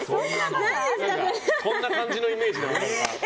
こんな感じのイメージなのよ。